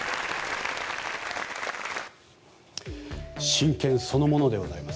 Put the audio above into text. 真剣そのものでございます。